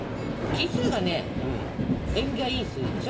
奇数がね縁起がいい数字でしょ？